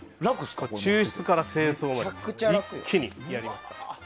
抽出から清掃まで一気にやりますから。